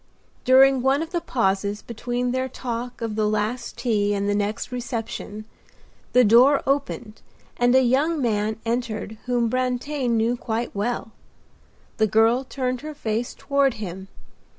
During one of the pauses between their talk of the last tea and the next reception the door opened and a young man entered whom Brantain knew quite well. The girl turned her face toward him.